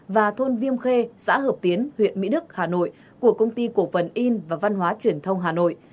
và thôn viêm khê xã hợp tiến huyện mỹ đức hà nội của công ty cổ phần in và văn hóa truyền thông hà nội